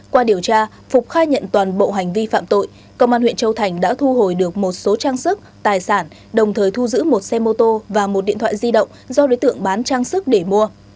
qua điều tra phục khai nhận toàn bộ hành vi phạm tội công an huyện châu thành đã thu hồi được một số trang sức tài sản đồng thời thu giữ một xe mô tô và một điện thoại di động do đối tượng bán trang sức để mua